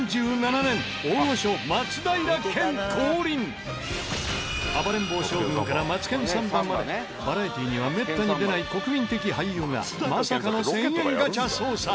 『暴れん坊将軍』から『マツケンサンバ』までバラエティーにはめったに出ない国民的俳優がまさかの１０００円ガチャ捜査！